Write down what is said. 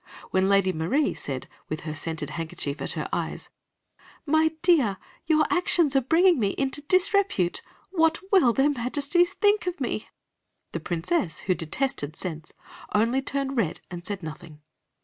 When Lady Marie said, with her scented handkerchief at her eyes: "My dear, your actions are bringing me into disrepute; what will their Majesties think of me?" the Princess, who detested scents, only turned red and said nothing.